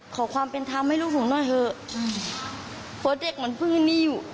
ขอความเป็นทำให้ลูกผมหน่อยเถอะเพราะเด็กมันเพิ่งอันนี้อยู่